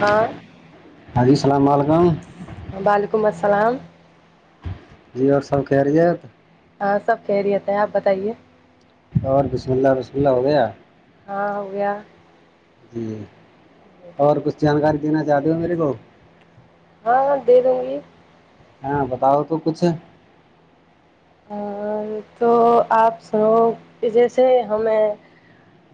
ہاں ہاں جی السلام علیکم وعلیکم السلام جی اور سب خیریت ہاں سب خیریت یے آپ بتائیے اور بسم اللہ وسملہ ہو گیا ہاں ہو گیا جی اور کچھ جانکاری دینا چاہتے ہو میرے کو ہاں دے دوں گی ہاں بتاؤ تو کچھ ہ تو آپ سنو جیسے ہمیں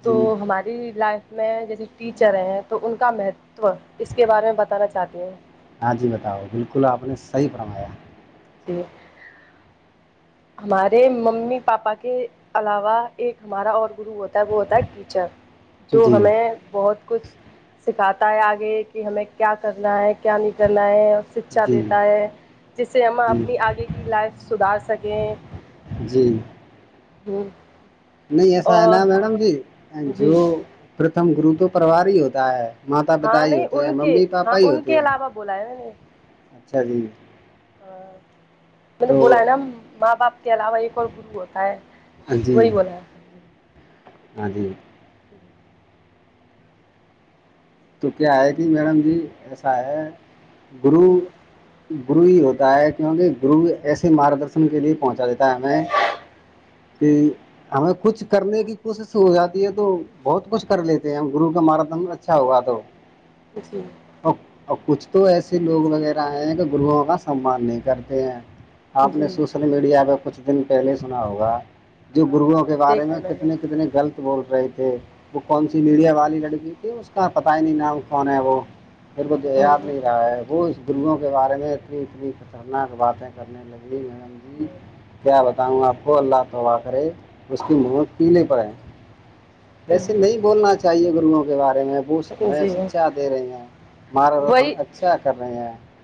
تو جی ہمارے لائف میں جیسے ٹیچر ہیں تو ان کا مہتو اس کے بارے میں بتانا چاہتی ہوں ہاں جی بتاؤ بالکل آپ نے صحیح فرمایا تو ہمارے ممی پاپا کے علاوہ ایک ہمارا اور گرو ہوتا ہے وہ ہوتا ہے چر جو جی ہمیں بہت کچھ سکھاتا ہے آگے کہ ہمیں کیا کرنا ہے کیا نہیں کرنا ہے شکچھا جی دیتا ہے جس سے ہم جی اپنی آگے کی لائف سدھار سکیں جی ہوں نہیں ایسا ہے نا میڈم جی جی جو پرتھم گرو تو پروار ہی ہوتا ہے ماتا ہاں پتا ہی نہیں ہوتے ہیں ان کے ممی ہاں پاپا ہی ان کے ہوتے ہیں علاوہ بولا ہے میں نے اچھا جی ہاں تو [unintelligible] بولا ہے نا ماں باپ کے علاوہ ایک اور گرو ہوتا ہے جی وہی بولا ہے ہاں جی [inaudible] تو کیا ہے کہ میڈم جی ایسا ہے گرو جی گرو ہی ہوتا ہے کیونکہ گرو ایسے مارگ درشن کے لیے پہنچا دیتا ہے ہمیں کہ ہمیں کچھ کرنے کی کوشش ہو جاتی ہے تو بہت کچھ کر لیتے ہیں ہم گرو کا ماردنچ [unintelligible] جی اور اور کچھ تو ایسے لوگ وغیرہ ہیں کہ گروؤوں کا سمان نہیں کرتے ہیں آپ نے جی سوشل میڈیا پہ کچھ دن پہلے سنا ہوگا جو ہاں ہاں گرگوں کے بارے دیکھا میں ہے نے کتنے کتنے غلط بول رہے تھے وہ کون سی میڈیا والی لڑکی تھی اس کا پتا ہی نہیں نام کون ہے وہ اور وہ دور ہ نہیں رہا ہے وہ اس جی گروؤں کے بارے میں اتنی اتنی خطرناک باتیں کرنے لگی ہیں جی کیا بتاؤں آپ کو اللہ توبا کرے اس کی مہت کیلے پر ہے ایسے نہیں بولنا چاہیے گروؤں کے بارے میں ش ہمیں شکچھا دے رہے ہیں مارگ درشن وہی اچھا کر رہے ہیں [unintelligible]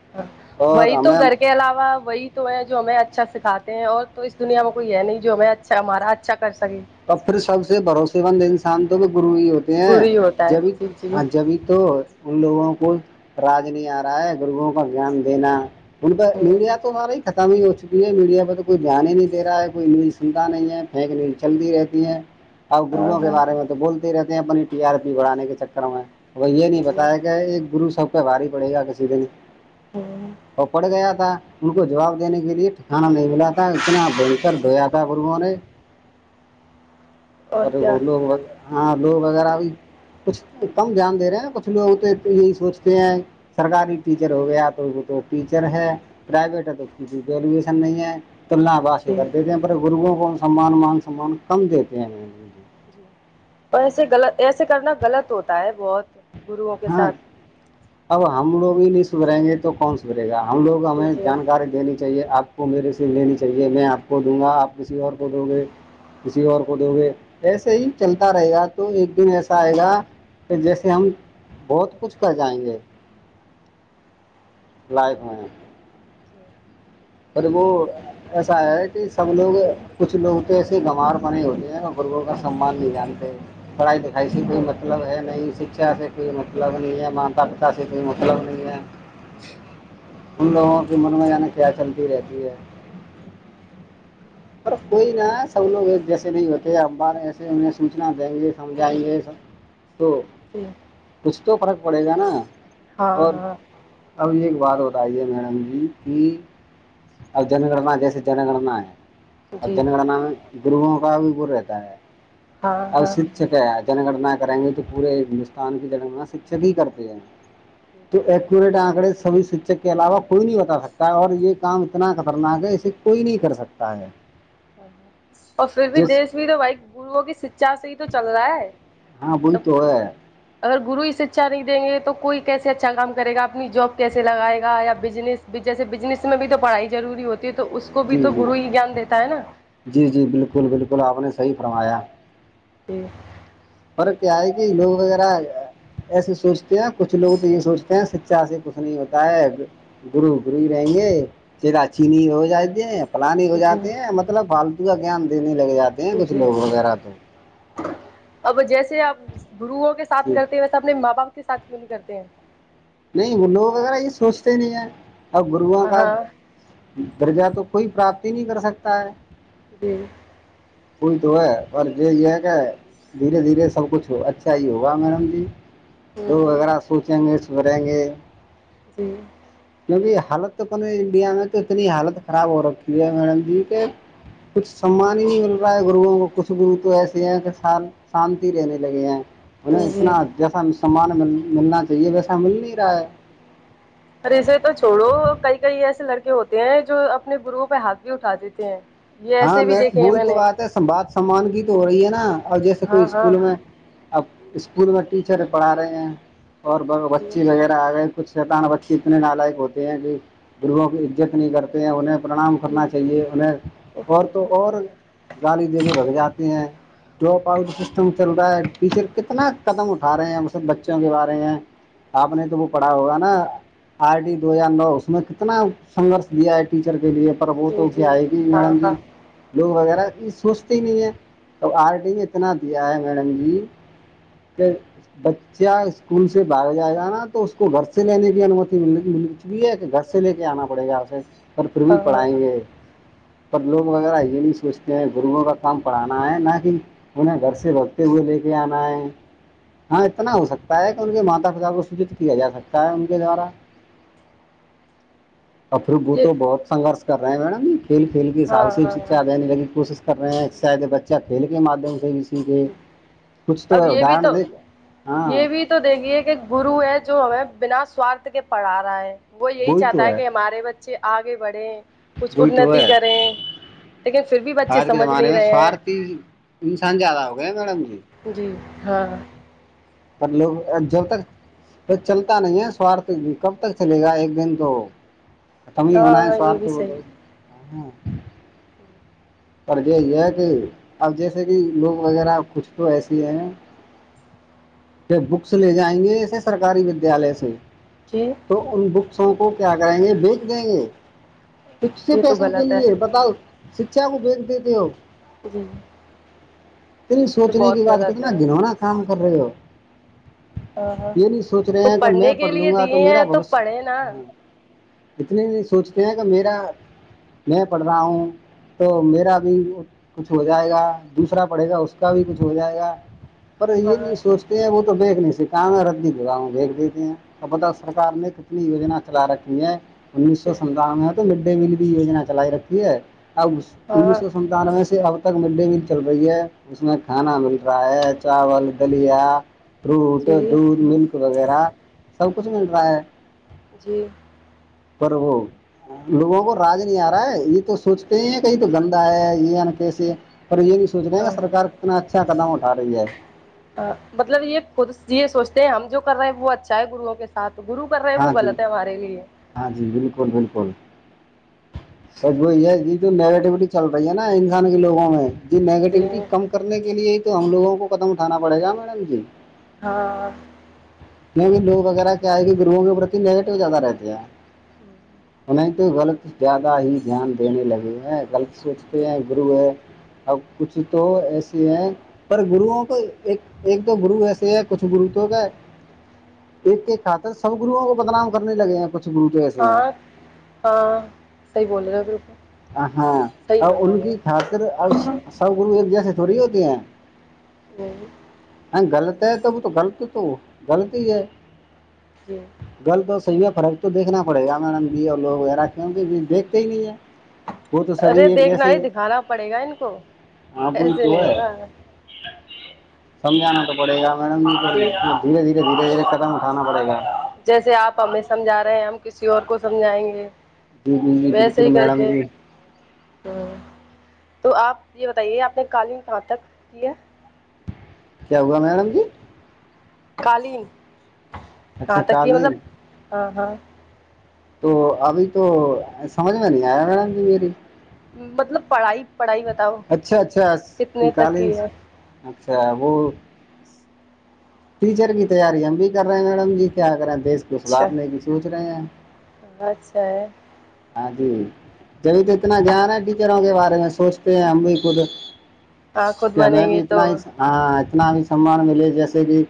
اور وہی تو ہمیں گھر کے اور علاوہ وہی تو ہے جو ہمیں اچھا سکھاتے ہیں اور تو اس دنیا میں کوئی ہے نہیں جو ہمیں اچھا ہمارا اچھا کر سکے تو پھر سب سے بھروسے مند سانتوں میں گرو ہی ہوتے گرو ہیں ہی ہوتا ہے جب جی جی ہاں جبھی تو ان لوگوں کو راج نہیں آ رہا ہے گرگں کو جیان دینا ان پ میڈیا تو ہمارا ہی ختم ہی ہو چکی ہے میڈیا پہ تو کوئی دھیان ہی نہیں د رہا ہے کوئی نیوز [unintelligible] چندہ نہیں ہے پیک نیز چلتی رہتی ہیں اور ہاں گروں کے ہاں بارے میں تو بولتے رہتے ہیں اپنی ٹی آر پی بڑھانے کے چکر میں وہ یہ نہیں جی بتایا گ ایک گرو سب کاہ بھاری پڑے گا کسی دن ہ [unintelligible] اور پڑ گیا تھا ان کو جواب دینے کے لیے ٹھکانا نہیں ملا تھا اتنا بکر دھویا تھا گرگو نے اور پر کیا وہ لوگ ہاں لوگ وغیرہ بھی کچھ کم دھیان دے رہے ہیں کچھ لوگ تو یہی سوچتے ہیں سرکاری ٹیچر ہو گیا تو وہ تو ٹیچر ہے [unintelligible] پرائیویٹ ہے تو اس کی ت گریجویشن نہیں ہے [unintelligible] تلنا واسی جی کر دیتے ہیں پر گروگں کو سمان مان سمان کم دیتے ہیں [unintelligible] تو ایسے غل ایسے کرنا غلط ہوتا ہے بہت گروؤں کے ہاں ساتھ [unintelligible] اب ہم لوگ ہی نہیں سدریں گے تو کون سدھرے گا ہم لوگ جی ہمیں جی جانکاری دینی چاہیے آپ کو میرے سے لینی چاہیے میں آپ کو دوں گا آپ کسی اور کو دو گے کسی اور کو دو گے ایسے ہی چلتا رہے گا تو ایک دن ایسا آئے گا پ جیسے ہم بہت کچھ کر جائیں گے [unintelligible] لائق میں [unintelligible] اورر وہ [unintelligible] ایسا ہے کہ سب لوگ کچھ لوگ تو ایسے گمار بنے ہوتے ہیں ن گرگوں کا سمان نہیں جانتے [unintelligible] پڑھائی لکھائی سے کوئی مطلب ہے نہیں شکچھا سے کوئی مطلب نہیں ہے ما پتا سے کوئی مطلب نہیں ہے ان جی لوگوں کی من میں یعنی کیا چلتی رہتی ہے پر کوئی نا سب لوگ جیسے نہیں ہوتے اخبار ایسے انہیں سوچنا دیں گے سمجھائیں گے سب تو جی کچھ تو فرق پڑے گا نا ہاں اور ہاں اب یہ ایک بات بتائیے میڈم جی کہ ا جنناا دیس جنناا [unintelligible] اب جی جنگنانا میں گروہوں کا بھی بر رہتا ہے ہاں اور ہاں صرف شک ہے جنگننا کریں گے تو پورے ہندوستان کی جنگنا شکھک ہی کرتے ہیں جی تو ایکوریٹ آنکڑے سبھی شکچک کے علاوہ کوئی نہیں بتا سکتا اور یہ کام اتنا خطرناک ہے اسے کوئی نہیں کر سکتا ہے اور پھر بھی جس دیش بھی تو بائی گروؤں کی شکچا سے ہی تو چل رہا ہے ہاں وہی تو ابک ہے اگر گرو اس شکچھا نہیں دیں گے تو کوئی کیسے اچھا کام کرے گا اپنی جاب کیسے لگائے گا یا بزنس [unintelligible] جیسے بزنس میں بھی تو پڑھائی ضروری ہوتی ہے تو اس کو بھی جی تو جی گرو ہی جان دیتا ہے نا جی جی بالکل بالکل آپ نے صحیح فرمایا ج [unintelligible] ف کیا ہے کہ لوگ وغیرہ ایسے سوچتے ہیں کچھ لوگ تو یہ سوچتے ہیں شکچھا سے کچھ نہیں ہوتا ہے گرو گرو ہی رہیں گے چ چینی ہو جات د ہیں پلانی ہو جی جاتی ہیں مطلب فالتو کا گان دینے لگ جاتے ہیں کچھ جی لوگ جی وغیرہ تو اب جیسے آپ گرو کے ساتھ کرتے ویسے اپنے ماں باپ کےاتھ کیوں نہیں کرتے ہیں نہیں وہ لوگ وغیرہ یہ سوچتے نہیں ہیں ا گروں ہاں کا ہاں گرجہ تو کوئی پراپت ہی نہیں کر سکتا ہے جی کوئی تو ہے پر ج یہ کہ دھیرے دھیرے سب کچھ ہو اچھا ہی ہوگا میڈم جی دو ہ اغیرہ سوچیں گے سدھریں گے جی کیونکہ حالت تو اپ انڈیا میں تو اتنی حالت خراب ہو رکھی ہے میڈم جی کہ کچھ سمان ہی نہیں مل رہا ہے گروؤں کو کچھ گرو تو ایسے ہیں کہ سال شانتی رہنے لگے ہیں انہیں اتنا جی جیسا سامان مل ملنا چاہیے ویسا مل نہیں رہا ہے ار اسے تو چھوڑو کئی کئی ایسے لڑکے ہوتے ہیں جو اپنے گروؤں پہ ہاتھ بھی اٹھا دیتے ہیں یہ ہاں ایسے بھی میں دیکھے ہیں وہی تو نے بات ہے س باد سمان کی تو ہو رہی ہے نا اور جیسے کوئی ہاں ہاں اسکول میں اب اسکول میں ٹیچر پڑھا رہے ہیں اور جی بچی وغیرہ آ گئے کچھ شیتان بچے اتنے نالائق ہوتے ہیں کہ گرووں کی عزت نہیں کرتے ہیں انہیں پرنام جی کرنا چاہیے انہیں اور تو اور گالی دے کے بھگ جاتے ہیں ڈراپ آؤٹ سسٹم چل رہا ہے ٹیچر کتنا قدم اٹھا رہے ہیں اسب بچوں کے بارے ہیں ہ [inaudible] آپ نے تو وہ پڑھا ہوگا نا آر ڈٹی دو ہزار نو اس میں کتنا سنگرش دیا ہے ٹیچر کے لیے پربھو تو جی اگ جی آئے گی ہاں میڈم جی ہاں لوگ وغیرہ یہ سوچتے ہی نہیں ہے تو آر ڈ میں اتنا دیا ہے میڈم جی کہ [unintelligible] بچہ اسکول سے باہگ جائے گا نا تو اس کو گھر سے لینے کی انومتی مل بھی ہے کہ گھر سے لے جی کے آنا پڑے گا آپے پر پھر بھی ہاں ہاں پڑھائیں گے پر لوگ وغیرہ یہ بھی سوچتے ہیں گرگوں کا کام پڑھانا ہے نہ کہ انہیں گھر سے بگتے ہوئے لے کے آنا ہے ہاں اتنا ہو سکتا ہے کہ ان کے ماتا پتا کو سوچت کیا جا سکتا ہے ان کے دوارا ج [inaudible] افروگو تو بہتنگرش کر رہا ہیں مڈم یہ کھیل کھیل ہاں اب سے ہاں ہاں شھا دینے ل کوشش کر رہے ہیں شاید بچہ کھیل کے مادھیم سے بھی سیکھے کچھ تو اب ہے یہ بھی ادر تو د ہاں یہ بھی تو دیکھیے کہ ایک گرو ہے جو ہمیں بنا سوارھ کے پڑھا رہا ہے وہ یہی وہی چاہتا تو ہے کہ ہمارے بچے آگے بڑھے کچھ وہی تو انتی ہے کریں لیکن پھر بھی بچے سمجھ نہیں رہے ہیں تین [unintelligible] انسان زیادہ ہو گیا میڈم جی جی ہاں پر لوگ جل تک پ چلتا نہیں ہے سوارھ کب تک چلے گا ایک دن تو [unintelligible] ختم ہی ہاں ہو ہے ہاں یہ سوارت بھی ب صحیح تو ہے۔ ہ [unintelligible] پرجیح یہ ہے کہ اب جیسے کہ لوگ وغیرہ کچھ تو ایسیے ہیں بکس لے جائیں گے ایسے سرکاری ودیالیہ سے جی تو ان بکسوں کو کیا کریں گے بیچ دیں گے کچھ سے یہ تو پیسوں کے غلط ہے لیے بتاؤ شکشا کو بیچ دیتے ہو جی تری تو سوچنے بہت کی بات غلط کتنا ہے گنونا کام کر رہے ہو ہاں ہاں یہ نہیں سوچ رہے وہ ہیں کہ میں پڑھنے کے پڑھ لیے لوں گا تو دیے میرا ہیں بوس ہ پڑھے نا [unintelligible] اتنے نہیں سوچتے ہیں کہ میرا میں پڑھ رہا ہوں تو میرا بھی کچھ ہو جائے گا دوسرا پڑھے گا اس کا بھی کچھ ہو جائے گا پر یہ ہاں نہیں سوچتے ہیں وہ تو بھنے سے کام ہے رد دگاؤوں بییک دیتے ہیں تو متب سرار نے کتنی یجنا چلا رکھی ہے انیس سو ستاون میں ہے تو مڈ ڈے میل بھی یجنا چلائی رکھی ہے ا انیس ہاں سو میدان میں سے اب تک مڈ ڈے میل چل رہی ہے اس میں کھانا مل رہا ہے چاول دلیا فروٹ جی دودھ ملک وغیرہ سب کچھ مل رہا ہے جی پرو [unintelligible] لوگوں کو راج نہیں آ رہا ہے یہ تو سوچتے ہی کہ یہ تو گندا ہے یہ کیسے پر یہ نہیں سوچ رہے ہیں ہاں کہا سرکار کتنا اچھا قدم اٹھا رہی ہے مطلب یہ خود یہ سوچتے ہیں ہم جو کر رہے ہیں وہ اچھا ہے گروؤں کے ساتھ گرو کر رہے وہ ہاں جی غلط ہے ہمارے لیے ہاں جی بالکل بالکل ب وہی ہے یہ تو نیگیٹیوٹی چل رہی ہے نا انسان کے لوگوں میں [unintelligible] جی نگیٹیوٹی کم کرنے کے لیے تو ہم لوگوں کو قدم اٹھانا پڑے گا میڈم جی ہاں یہ بھی لوگ وغیرہ کیا آئے کہ گروہوں کے پرتی نیگیٹو زیادہ رہتے ہیں ہوں انہیں تو غلط زیادہ ہی دھیان دینے لگے ہیں غلط سوچتے ہیں گرو ہے اب کچھ تو ایسے ہیں پر گروؤوں کو ایک ایک تو گرو ایسے ہے کچھ گرو تو کا ایک ایک خطر سب گروؤں کو بدنام کرنے لگے ہیں کچھ گرو تو ایسے ہیں ہاں ہاں صحیح بولے گا بالکل ہاں صحیح ا ان فرما کی رہے خاطر اب سو گرو ایک جیسے تھوڑی ہوتی ہیں جی غلط ہے تب تو غلط تو غلط ہی ہے جی گل تو صحیح ہے فرق تو دیکھنا پڑے گا م اور لوگ وغیرہ کیوںکہ دیکھتے ہی نہیں ہے وہ تو ارے سبھی ہے دیکھنا جیسے ہی دکھانا پڑے گا ان کو ہاں بئی ایسے تو نہیں ہے- ہوگا سمجھانا تو- پڑے گا میڈم یہ جی دھیرے دھیرے دھیرے دھیرے قدم اٹھانا پڑے گا جیسے آپ ہمیں سمجھا رہے ہیں ہم کسی اور کو سمجھائیں گے جی جی جی بالکل میڈم جی ہ تو آپ یہ بتائیے آپ نے کالین کہاں تک کی ہے [unintelligible] کیا ہوگا میڈم جی- قالین کہاں اچھا تک کی مطلب قالین ہاں- ہاں- تو ابھی تو سمجھ میں نہیں آیا میڈم جی میری- مطلب پڑھائی پڑھائی بتاؤ اچھا اچھا کتنے تک قالین کی ہے- اچھا ابو ٹیچر کی تیاری ہم بھی کر رہے ہیں میڈم جی کیا کرے ہیں دیش کو اچھا سلارنے کی سوچ رہے ہیں- اچھا ہے- ہاں جی جبھی تو اتنا جان ہے ٹیچروں کے بارے میں سوچتے ہیں ہم بھی خود- ہاں خود کہ بنیں ہمیں بھی گے تو اتنا ہی ہاں اتنا بھی سمان ملے جیسے کہ-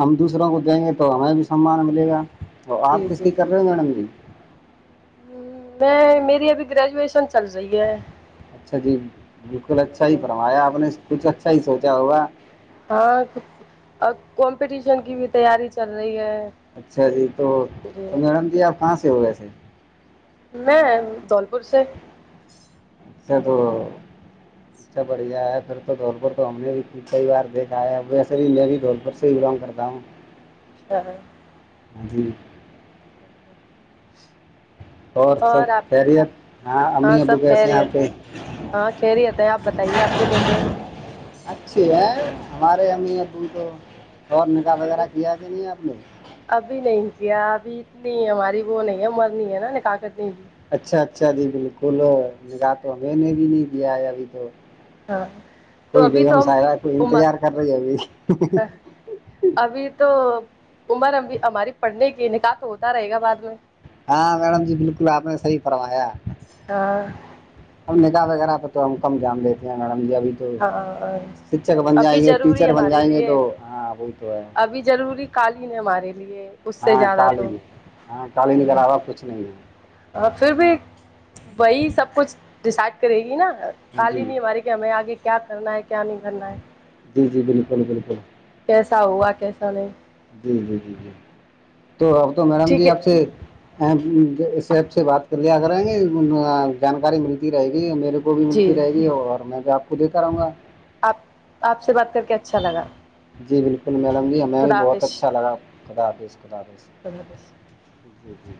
ہم دوسروں کو دیں گے تو ہمیں بھی سامان ملے گا تو آپ جی کس کی کر رہے ہو میڈم جی- ہ میں میری ابھی گریجویشن چل رہی ہے اچھا جی بالکل اچھا ہی فرمایا آپ نے کچھ اچھا ہی سوچا ہوگا- ہاں اور کمپٹیشن کی بھی تیاری چل رہی ہے- اچھا جی تو جی تو میڈم جی آپ کہاں سے ہو گیسے میں دولپور سے- ا س تو اچھا بڑھیا ہے پھر- دھولپور تو ہم نے بھی کئی بار دیکھا ہے ویسے ہی میں بھی دھولپور سے ہی بلانگ کرتا ہوں- [unintelligible] جی- اور سب خیریت ہاں امی سب ابو کیسے ہیں آپ خیریت کے? ہاں کھی رہ ہی ہوتے ہیں آپ بتائیے آپ کے کیسے ہیں? اچھے ہیں ہمارے ہمیں ت تو اور نکاح وغیرہ کیا کہ نہیں آپ نے- ابھی نہیں کیا ابھی اتنی ہماری وہ نہیں ہے مرنی ہے نا کاقت نہیں بھی- اچھا-اچھا جی بالکل نگاہ تو ہمیں نے بھی نہیں دیا ہے ابھی تو- ہاں تو کوئی ابھی بیگم تو ہم سار کوئی عمر انتظار کر رہی ہے ابھی- ابھی تو عمر ابھی ہماری پڑھنے کی نکاح تو ہوتا رہے گا بعد میں- ہاں میڈم جی بالکل آپ نے صحی فرمایا- ہاں ہم نگااہ وغیرہ پہ تو ہم کم دھیان دیتے ہیں میڈم جی ابھی- تو ہاں شکھک بن ابھی جائیں گے ضروری ٹیچر بن جائیں گے تو ہاں وہی تو ہے- بھی ضروری قالین ہے ہمارے لیے- اس سے ہاں زیادہ تو کالین ہاں کالینگرروا کچھ نہیں ہے- ہاں پھر بھی وہی سب کچھ ڈیسائڈ کرے گی نا ہاں کالی جی نہیں ہماری- ہمیں آگے کیا کرنا ہے کیا نہیں کرنا ہے- جی-جی، بالکل-بالکل- کیسا ہوا کیسا نہیں- جی-جی-جی-جی تو اب تو میڈم ٹھیک جی ہے آپ سے- اس ایپ سے بات کر لیا کر آیں گے جانکاری ملتی رہے گی میرے کو- وہ بھی ملتی جی رہے گی اور میں بھی آپ کو دےتا آ رہؤوں گا- آپ-آپ سے بات کر کے اچھا لگا- جی بالکل میڈم جی ہمیں بھی خدا بہت اچھا لگا خداظ- خداظ- اللہ حافظ- جی-جی-جی-